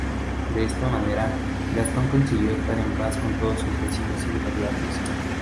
De esta manera, Gastón consiguió estar en paz con todos sus vecinos inmediatos.